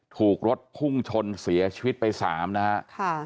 ถูกรถพุ่งชนเสียชีวิตไป๓นะฮะ